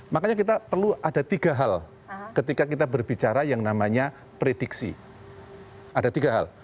makanya kita perlu ada tiga hal ketika kita berbicara yang namanya prediksi